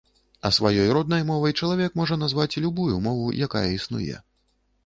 А сваёй роднай мовай чалавек зможа назваць любую мову, якая існуе.